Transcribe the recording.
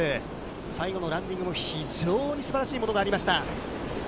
最後のランディングも非常にすばらしいものがありました。